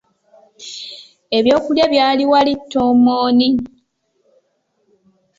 Ebyokulya byali wali ttomooni.